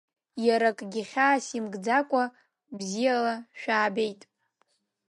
Иара акагьы хьаас имкӡакәа, бзиала шәаабеит!